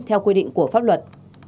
theo quy định của pháp luật